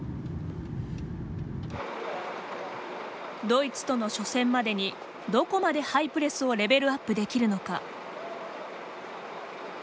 ドイツとの初戦までにどこまでハイプレスをレベルアップできるのか。